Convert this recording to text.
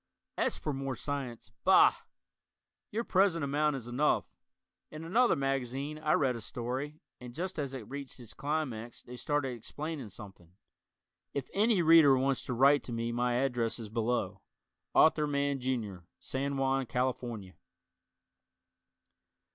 As for more science, bah! your present amount is enough. In another magazine I read a story and just as it reached its climax they started explaining something! If any Reader wants to write to me my address is below. Arthur Mann, Jr., San Juan, California.